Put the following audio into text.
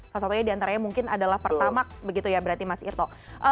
salah satunya diantaranya mungkin adalah pertamax begitu ya berarti mas irto